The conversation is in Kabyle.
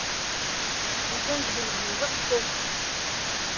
Izan deg unebdu teqqsen.